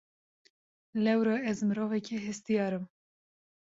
Lewra ez mirovekî hestiyar im.